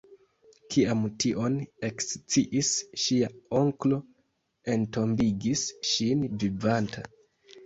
Kiam tion eksciis ŝia onklo entombigis ŝin vivanta.